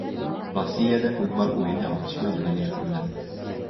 Rossiyada futbol o‘yini otishma bilan yakunlandi